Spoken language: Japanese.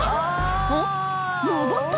おっ上った？